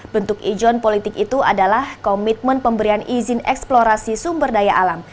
bentuk ijon politik itu adalah komitmen pemberian izin eksplorasi sumber daya alam